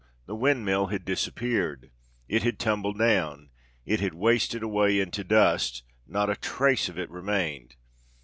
the windmill had disappeared—it had tumbled down—it had wasted away into dust—not a trace of it remained!"